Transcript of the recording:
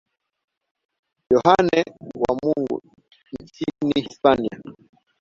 Yohane wa Mungu nchini Hispania.